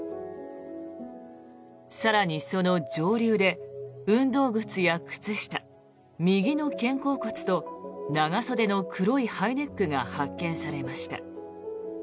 更にその上流で運動靴や靴下、右の肩甲骨と長袖の黒いハイネックが発見されました。